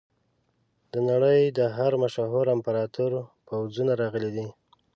د نړۍ د هر مشهور امپراتور پوځونه راغلي دي.